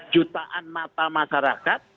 jutaan mata masyarakat